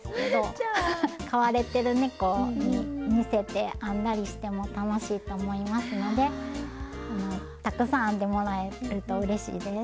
飼われてるねこに似せて編んだりしても楽しいと思いますのでたくさん編んでもらえるとうれしいです。